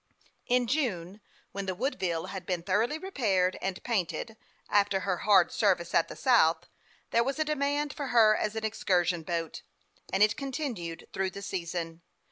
In June, when the Woodville had been thoroughly repaired and painted, after her hard service at the South, there was a demand for her as an excursion boat ; and it continued through the season.